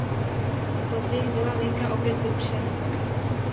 Později byla linka opět zrušena.